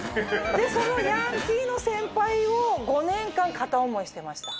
そのヤンキーの先輩を５年間片思いしてました。